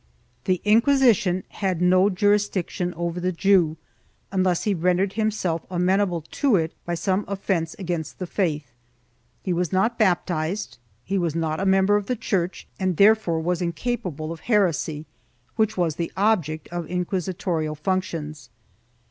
The Inquisition had no jurisdiction over the Jew, unless he rendered himself amenable to it by some offence against the faith. He was not baptized; he was not a member of the Church and therefore was incapable of heresy, which was the object of inquisitional functions.